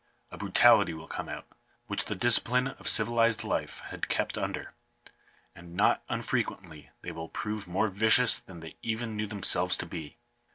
A brutality will come out, which the discipline of civilized life had kept under ; and not unfrequently they will prove more vicious than they even knew themselves to be.